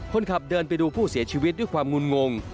คนขับเดินไปดูผู้เสียชีวิตด้วยความงุ่นงง